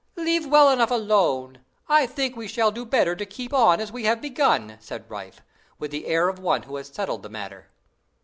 "Leave well enough alone! I think we shall do better to keep on as we have begun," said Riffe, with the air of one who had settled the matter.